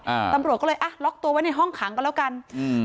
อ่าตำรวจก็เลยอ่ะล็อกตัวไว้ในห้องขังกันแล้วกันอืม